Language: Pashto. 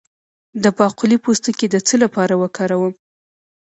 د باقلي پوستکی د څه لپاره وکاروم؟